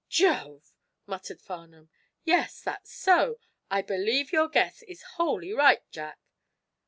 "Jove!" muttered Farnum. "Yes; that's so. I believe your guess is wholly right, Jack."